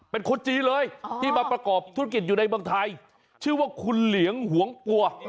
เป็นคนจีนเลยที่มาประกอบธุรกิจอยู่ในเมืองไทยชื่อว่าคุณเหลียงหวงปัว